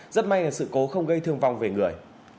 rất may là sự cố không gây thương vong về người